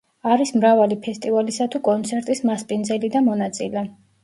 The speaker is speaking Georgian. არის მრავალი ფესტივალისა თუ კონცერტის მასპინძელი და მონაწილე.